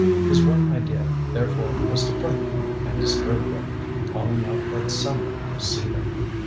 His one idea, therefore, was to frighten them and disturb them, calling out that someone could see them.